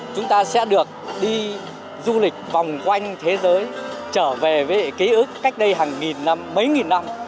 chúng ta sẽ được đi du lịch vòng quanh thế giới trở về với ký ức cách đây hàng nghìn năm mấy nghìn năm